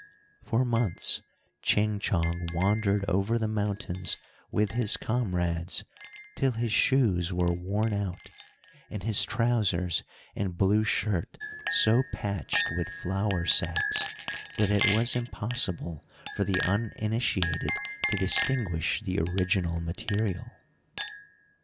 For months Ching Chong wandered over the mountains with his comrades, till his shoes were worn out, and his trousers and blue shirt so patched with flour sacks, that it was impossible for the uninitiated to distinguish the original material.